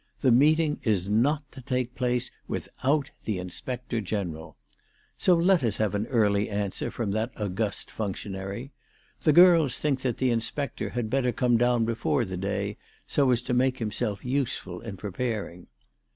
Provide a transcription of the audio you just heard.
The meeting is not to take place without the Inspector General. So let us have an early answer from that august functionary. The girls think that the Inspector had better come down before the day, so as to make himself useful in preparing.